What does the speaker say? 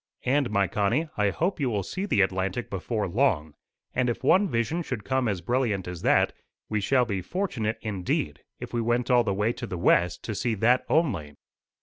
And, my Connie, I hope you will see the Atlantic before long; and if one vision should come as brilliant as that, we shall be fortunate indeed, if we went all the way to the west to see that only."